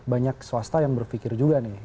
banyak swasta yang berpikir juga nih